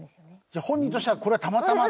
じゃあ本人としてはこれはたまたま。